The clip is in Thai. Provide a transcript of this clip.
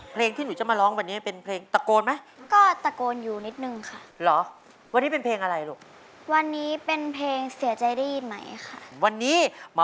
เพราะว่ารักถึงเปรียบเธอนั้นเป็นหนึ่งชีวิต